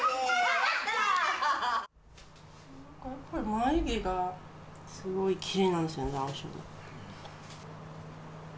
眉毛がすごいきれいなんですよね、ダウン症残って。